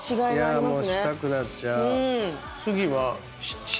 いやもうしたくなっちゃう。